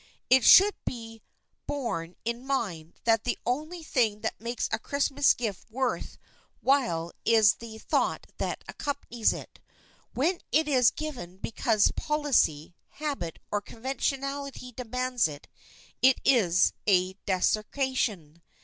It should be borne in mind that the only thing that makes a Christmas gift worth while is the thought that accompanies it. When it is given because policy, habit or conventionality demands it, it is a desecration.